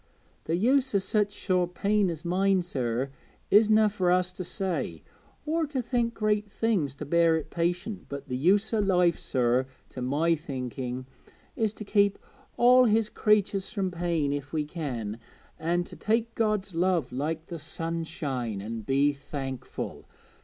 Th' use o' such sore pain as mine, sir, isna fur us to say, or to think great things to bear it patient; but the use o' life, sir, to my thinking, is to keep all His creatures from pain if we can, an' to take God's love like the sunshine, an' be thankful.